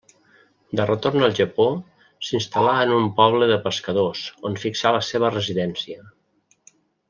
De retorn al Japó, s'instal·là en un poble de pescadors, on fixà la seva residència.